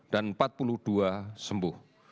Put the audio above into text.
dan empat puluh dua sembuh